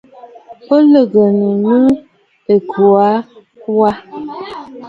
Ò lɨ̀gə̀ mə ɨkuu aa wa?